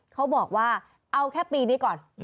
เขาบอกว่าเอาแค่ปีนี้ก่อน